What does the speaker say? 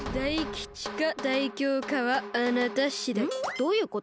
どういうこと？